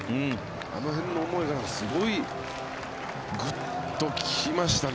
あの辺の思いがすごいグッときましたね。